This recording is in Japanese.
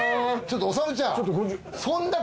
ちょっとおさむちゃん。